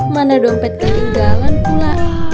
mana dompet ketinggalan pula